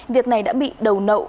việc này đã bị đầu nậu